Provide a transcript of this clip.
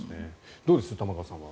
どうです、玉川さんは。